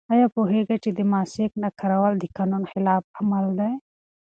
آیا پوهېږئ چې د ماسک نه کارول د قانون خلاف عمل دی؟